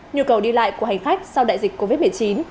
nhu cầu đi lại của hành khách sau đại dịch covid một mươi chín